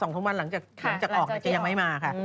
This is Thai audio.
๒ทั้งวันหลังจากออกยังไม่มาค่ะ